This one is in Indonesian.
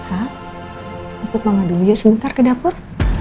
ah kak ikut mama dulu ya sebentar ke dapur